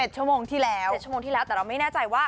ชั่วโมงที่แล้ว๗ชั่วโมงที่แล้วแต่เราไม่แน่ใจว่า